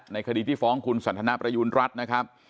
คดีที่ฟ้องคุณสันทนาประยูณรัฐนะครับ